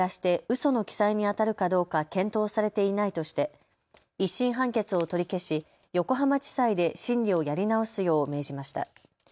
その記載にあたるかどうか検討されていないとして１審判決を取り消し横浜地裁で審理をやり直すよう命じました。